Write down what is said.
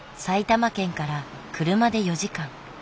埼玉県から車で４時間。